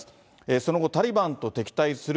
その後、タリバンと敵対する